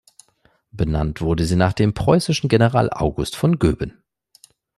Benannt wurde sie nach dem preußischen General August von Goeben.